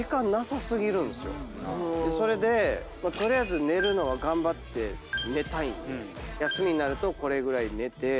それで取りあえず寝るのは頑張って寝たいんで休みになるとこれぐらい寝て。